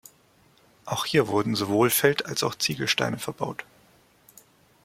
Auch hier wurden sowohl Feld- als auch Ziegelsteine verbaut.